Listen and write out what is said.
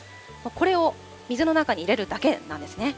これを水の中に入れるだけなんですね。